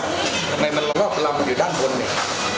ทำไมมันลอกลำอยู่ด้านบนเนี่ย